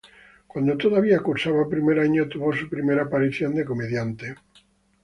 Cuando todavía cursaba primer año, tuvo su primera aparición de comediante.